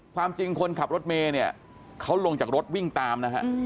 ความจริงคนขับรถเมย์เนี่ยเขาลงจากรถวิ่งตามนะฮะ